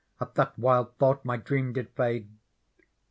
At that wild thought my dreamjid fade.